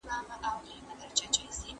زه هڅه کوم چي خپل ذهن ارام وساتم.